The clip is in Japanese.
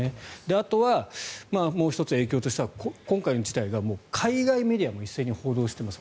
あとはもう１つ影響としては今回の事態が海外メディアも一斉に報道しています。